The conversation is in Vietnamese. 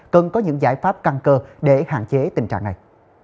cần có những giải pháp căn cơ để hạn chế tình trạng này